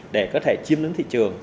để có thể chiêm đứng thị trường